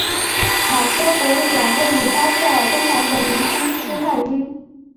马车博物馆位于巴塞尔东南的明兴施泰因。